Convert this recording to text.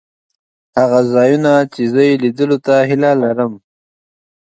هغه ځایونه چې زه یې لیدلو ته هیله لرم.